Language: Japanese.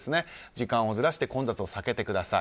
時間をずらして混雑を避けてください。